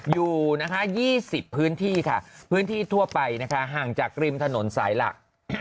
อยู่นะคะ๒๐พื้นที่ค่ะพื้นที่ทั่วไปนะคะห่างจากริมถนนสายหลัก